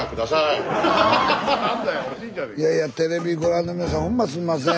いやいやテレビご覧の皆さんほんますんません。